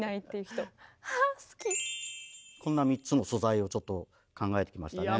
こんな３つの素材をちょっと考えてきましたね。